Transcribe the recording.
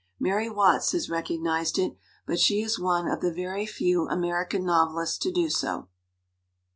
Mary Watts has recognized it, but she is one of the very few American novelists to do so."